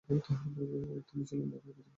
তিনি ছিলেন বাফার প্রথম ব্যাচের শিক্ষার্থী।